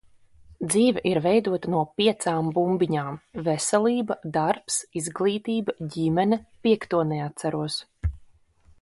Dzīve ir veidota no piecām bumbiņām - veselība, darbs, izglītība, ģimene, piekto neatceros.